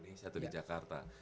di indonesia atau di jakarta